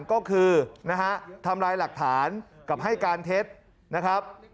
ก็คือนะฮะทำลายหลักฐานกับให้การเท็จนะครับ